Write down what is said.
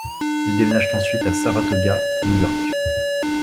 Ils déménagent ensuite à Saratoga, New York.